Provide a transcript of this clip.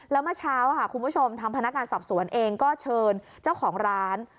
แล้วเมื่อเช้าค่ะคุณผู้ชมทางพนักงานสอบสวนเองก็เชิญเจ้าของร้าน